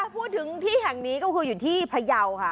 พูดถึงที่แห่งนี้ก็คืออยู่ที่พยาวค่ะ